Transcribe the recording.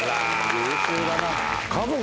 優秀だな。